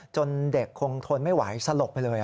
จนเด็กคงทนไม่ไหวสลบไปเลย